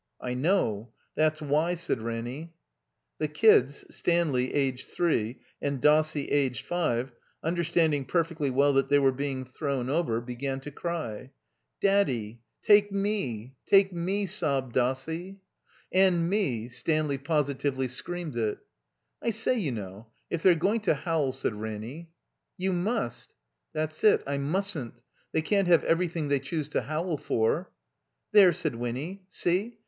"I know. That's why," said Ranny. The kids, Stanley, aged three, and Dossie, aged five, understanding perfectly well that they were being thrown over, began to cry. "Daddy, take me — ^take we," sobbed Dossie. 313 THE COMBINED MAZE "And me!" Stanley positively screamed it. "I say, you know, if they're going to howl," said Ranny. ''Yon must—'* "That's it, I mustn't. They can't have every thing they choose to howl for." "There," said Winny. "See!